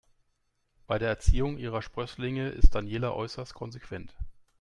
Bei der Erziehung ihrer Sprösslinge ist Daniela äußerst konsequent.